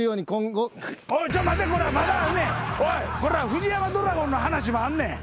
フジヤマドラゴンの話もあんねん。